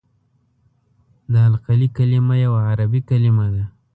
د القلي کلمه یوه عربي کلمه ده.